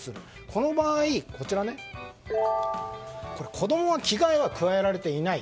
この場合子供は危害を加えられていない。